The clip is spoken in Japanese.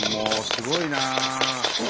すごいな。